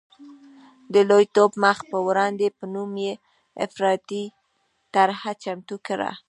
د لوی ټوپ مخ په وړاندې په نوم یې افراطي طرحه چمتو کړه.